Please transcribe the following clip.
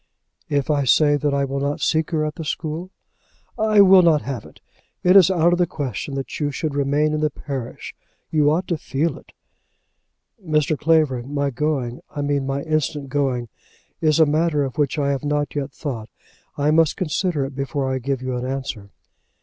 "If I say that I will not seek her at the school?" "I will not have it. It is out of the question that you should remain in the parish. You ought to feel it." "Mr. Clavering, my going, I mean my instant going, is a matter of which I have not yet thought. I must consider it before I give you an answer."